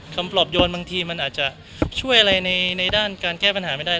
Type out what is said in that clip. ปลอบโยนบางทีมันอาจจะช่วยอะไรในด้านการแก้ปัญหาไม่ได้